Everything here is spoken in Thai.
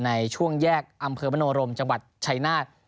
ในช่วงแยกอำเภอมโนรมจังหวัดชายนาฏ